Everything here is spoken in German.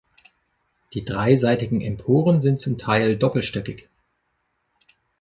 Die dreiseitigen Emporen sind zum Teil doppelstöckig.